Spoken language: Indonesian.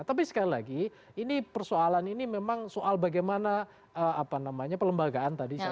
tapi sekali lagi ini persoalan ini memang soal bagaimana pelembagaan tadi